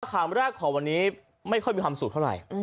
คำแรกของวันนี้ไม่ค่อยมีความสุขเท่าไหร่